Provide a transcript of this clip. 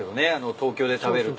東京で食べると。